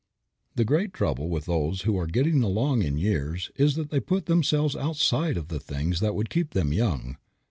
The great trouble with those who are getting along in years is that they put themselves outside of the things that would keep them young.